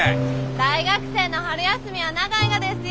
大学生の春休みは長いがですよ！